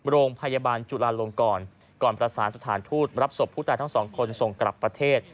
โรงพยาบาลจุลาลงก่อนก่อนประสานสถานทูตรับศพผู้ตายทั้งสองคนส่งกลับประเทศ